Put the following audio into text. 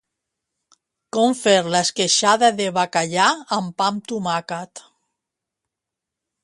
Com fer l'esqueixada de bacallà amb pa amb tomàquet.